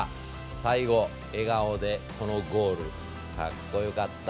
最後笑顔でこのゴールかっこよかった。